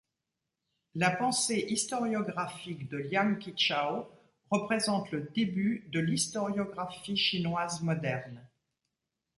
La pensée historiographique de Liang Qichao représente le début de l'historiographie chinoise moderne.